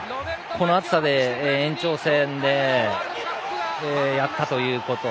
この暑さで延長戦でやったということ。